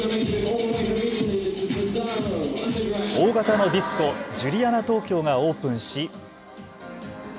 大型のディスコ、ジュリアナ東京がオープンし。